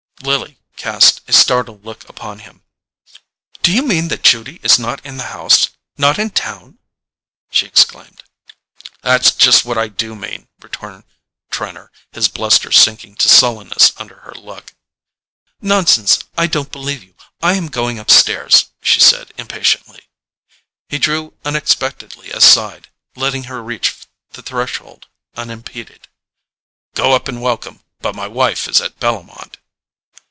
Lily cast a startled look upon him. "Do you mean that Judy is not in the house—not in town?" she exclaimed. "That's just what I do mean," returned Trenor, his bluster sinking to sullenness under her look. "Nonsense—I don't believe you. I am going upstairs," she said impatiently. He drew unexpectedly aside, letting her reach the threshold unimpeded. "Go up and welcome; but my wife is at Bellomont."